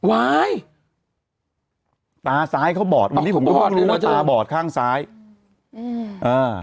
ว้ายตาซ้ายเขาบอดวันนี้ผมก็เพิ่งรู้ว่าตาบอดข้างซ้ายอืมอ่า